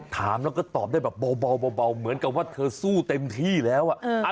ถามแล้วก็ตอบได้แบบเบาเหมือนกับว่าเธอสู้เต็มที่แล้ว